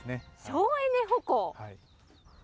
省エネ歩行。